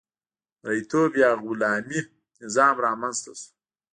مرئیتوب یا غلامي نظام رامنځته شو.